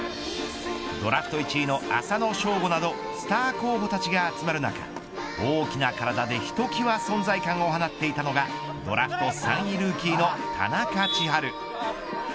ドラフト１位の浅野翔吾などスター候補たちが集まる中大きな体で、ひときわ存在感を放っていたのがドラフト３位ルーキーの田中千晴。